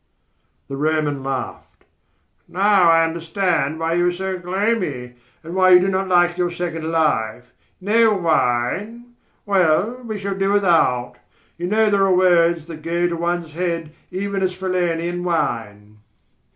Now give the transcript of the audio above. The Roman laughed. "Now I understand why you are so gloomy and why you do not like your second life. No wine? Well, we shall do without. You know there are words that go to one's head even as Falernian wine."